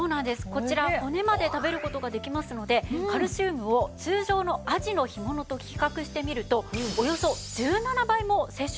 こちら骨まで食べる事ができますのでカルシウムを通常のあじの干物と比較してみるとおよそ１７倍も摂取できるんです。